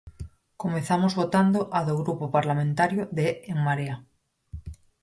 Comezamos votando a do Grupo Parlamentario de En Marea.